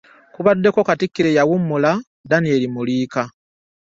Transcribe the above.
Kubaddeko Katikkiro eyawummula Daniel Muliika.